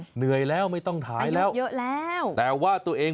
เหนื่อยแล้วไม่ต้องถ่ายแล้วไปหยุดเยอะแล้ว